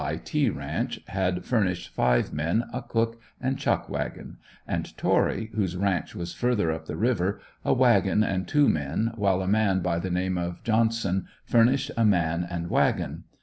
I. T." ranch had furnished five men, a cook and chuck wagon; and Torry, whose ranch was further up the river, a wagon and two men, while a man by the name of Johnson furnished a man and wagon.